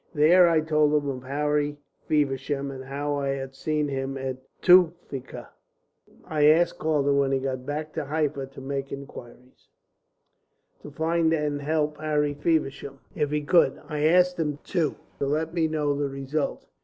There I told him of Harry Feversham, and how I had seen him at Tewfikieh. I asked Calder when he got back to Halfa to make inquiries, to find and help Harry Feversham if he could; I asked him, too, to let me know the result.